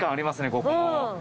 ここ。